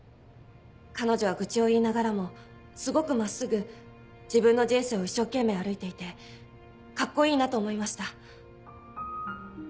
彼女は愚痴を言いながらもすごく真っすぐ自分の人生を一生懸命歩いていてカッコいいなと思いました。